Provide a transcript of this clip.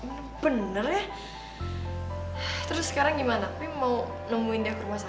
mama nyuruh gue pulang buru buru